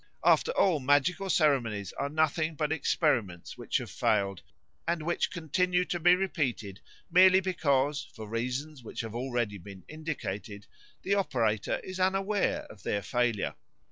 After all, magical ceremonies are nothing but experiments which have failed and which continue to be repeated merely because, for reasons which have already been indicated, the operator is unaware of their failure.